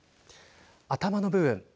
頭の部分。